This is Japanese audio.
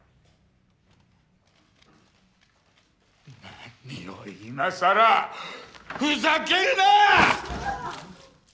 何を今更ふざけるな！